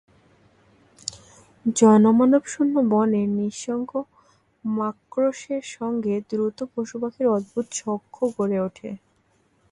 জনমানবশূন্য বনে নিঃসঙ্গ মারকোসের সঙ্গে দ্রুত পশুপাখির অদ্ভুত সখ্য গড়ে ওঠে।